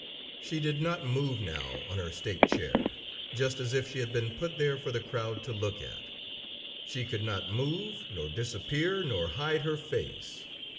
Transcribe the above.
"She did not move now on her state chair, just as if she had been put there for the crowd to look at. She could not move, nor disappear, nor hide her face.